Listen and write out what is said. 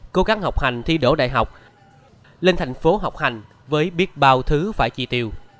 cố gắng học hành thi đỗ đại học lên thành phố học hành với biết bao thứ phải chi tiêu